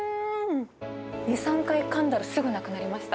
２、３回噛んだらすぐなくなりました。